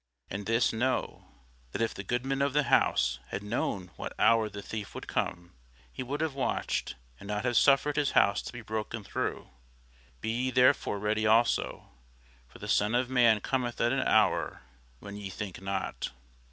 And this know, that if the goodman of the house had known what hour the thief would come, he would have watched, and not have suffered his house to be broken through. Be ye therefore ready also: for the Son of man cometh at an hour when ye think not.